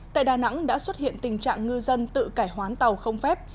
tại đà nẵng đã xuất hiện tình trạng ngư dân tự cải hoán tàu không phép